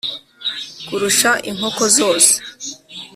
kurusha inkoko zose